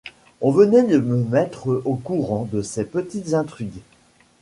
On venait de me mettre au courant de ses petites intrigues.